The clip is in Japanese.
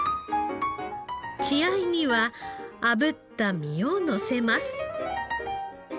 血合いにはあぶった身をのせます。